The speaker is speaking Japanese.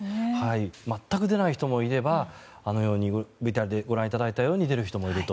全く出ない人もいればＶＴＲでご覧いただいたように出る人もいると。